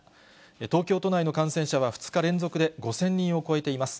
東京都内の感染者は、２日連続で５０００人を超えています。